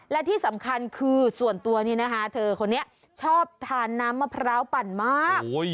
และที่สำคัญคือส่วนตัวนี้นะคะเธอคนนี้ชอบทานน้ำมะพร้าวปั่นมาก